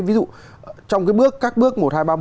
ví dụ trong cái bước các bước một hai ba bốn năm sáu bảy tám